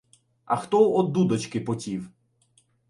А хто од дудочки потів.